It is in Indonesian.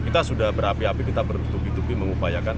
kita sudah berapi api kita bertupi tupi mengupayakan